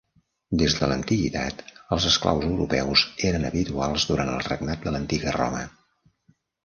Des de l'antiguitat, els esclaus europeus eren habituals durant el regnat de l'antiga Roma.